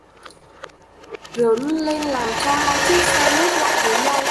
rướn lên làm cho hai chiếc xe ngoắc lại với nhau